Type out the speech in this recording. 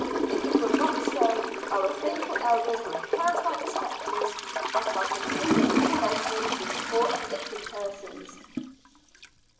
If it were not so, our faithful elders would cast out the spectres that are continually tormenting these poor afflicted persons."